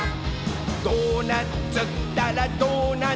「ドーナツったらドーナツ！」